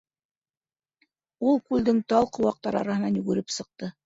Ул күлдең тал ҡыуаҡтары араһынан йүгереп сыҡты.